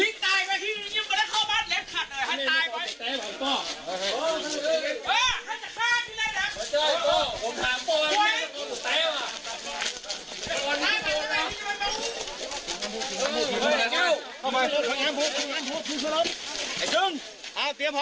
เข้าไป